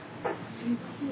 すいません。